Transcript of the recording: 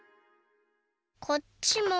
こっちも。